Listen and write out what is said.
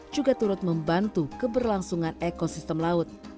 juga turut membantu keberlangsungan ekosistem laut